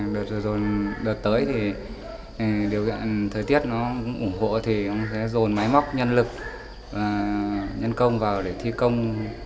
đợt tới thì điều kiện thời tiết nó cũng ủng hộ thì cũng sẽ dồn máy móc nhân lực nhân công vào để thi công